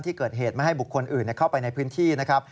ที่เกิดเหตุไม่ให้บุคคลอื่นเข้าไปในพื้นที่นะครับ